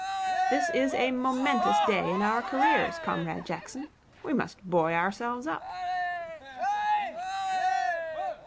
This is a momentous day in our careers, Comrade Jackson. We must buoy ourselves up.'